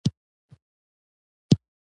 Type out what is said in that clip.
ځینې دودونه د اسلامي اصولو سره مخالف دي.